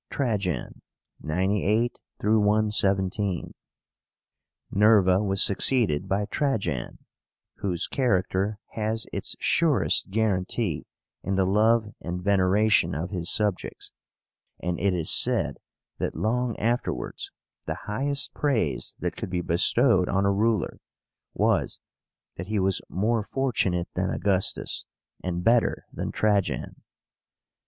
TRAJAN (98 117). Nerva was succeeded by TRAJAN, whose character has its surest guaranty in the love and veneration of his subjects; and it is said that, long afterwards, the highest praise that could be bestowed on a ruler was that he was "more fortunate than Augustus, and better than Trajan."